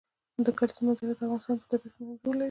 د کلیزو منظره د افغانستان په طبیعت کې مهم رول لري.